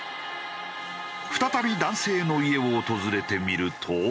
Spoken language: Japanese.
再び男性の家を訪れてみると。